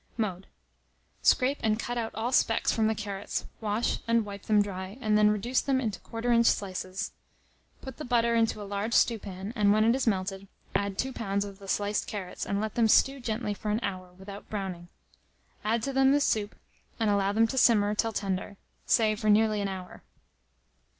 Mode. Scrape and cut out all specks from the carrots, wash, and wipe them dry, and then reduce them into quarter inch slices. Put the butter into a large stewpan, and when it is melted, add 2 lbs. of the sliced carrots, and let them stew gently for an hour without browning. Add to them the soup, and allow them to simmer till tender, say for nearly an hour.